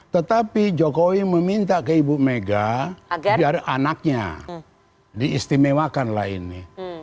tetapi jokowi meminta ke ibu mega biar anaknya diistimewakanlah ini